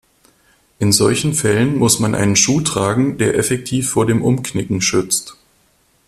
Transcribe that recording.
In solchen Fällen muss man einen Schuh tragen, der effektiv vor dem Umknicken schützt.